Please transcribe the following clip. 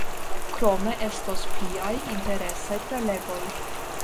Krome estos pliaj interesaj prelegoj.